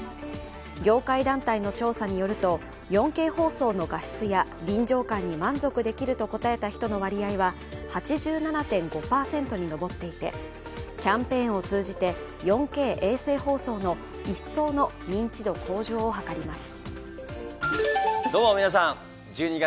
業界団体の調査によると４Ｋ放送の画質や臨場感に満足できると答えた人の割合は８７．５％に上っていて、キャンペーンを通じて４Ｋ衛星放送の一層の認知度向上を図ります。